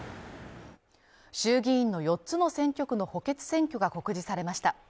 衆議院の四つの選挙区の補欠選挙が告示されました。